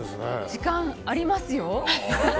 時間、ありますよ。